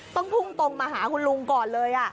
พุ่งตรงมาหาคุณลุงก่อนเลย